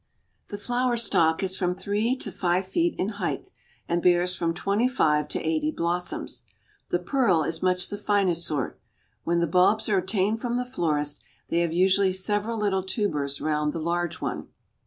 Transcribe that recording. The flower stalk is from three to five feet in height, and bears from twenty five to eighty blossoms. The Pearl is much the finest sort. When the bulbs are obtained from the florist they have usually several little tubers round the large one.